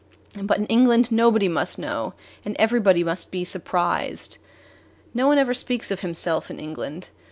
But in England nobody must know, and everybody must be surprised. No one ever speaks of himself in England.